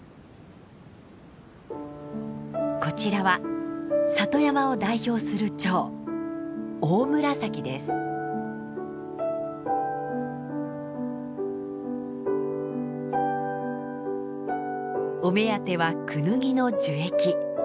こちらは里山を代表するチョウお目当てはクヌギの樹液。